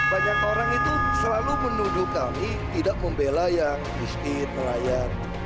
banyak orang itu selalu menuduh kami tidak membela yang miskin nelayan